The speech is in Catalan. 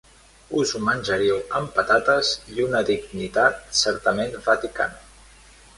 Us ho menjaríeu amb patates i una dignitat certament vaticana.